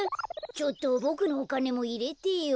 ちょっとボクのおかねもいれてよ。